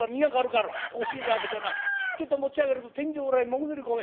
押し入れ開けてなちょっと持ち上げると天井裏へ潜り込める。